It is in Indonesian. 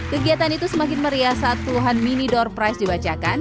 kegiatan itu semakin meriah saat tuhan mini door price dibacakan